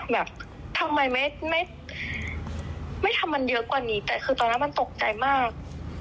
แบบทำไมไม่ทำมันเยอะกว่านี้แต่คือตอนนั้นมันตกใจมาก